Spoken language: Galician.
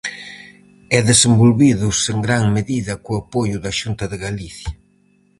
E desenvolvidos en gran medida co apoio da Xunta de Galicia.